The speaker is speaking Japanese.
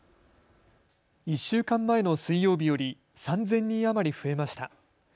１週間前の水曜日より３０００人余り増えました。